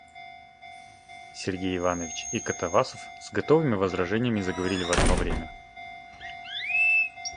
Сергей Иванович и Катавасов с готовыми возражениями заговорили в одно время.